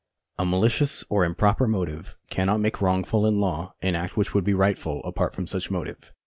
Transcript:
A malicious or improper motive cannot make wrongful in law an act which would be rightful apart from such motive.